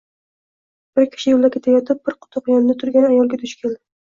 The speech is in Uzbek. Bir kishi yo‘lda ketayotib, bir quduq yonida turgan ayolga duch keldi.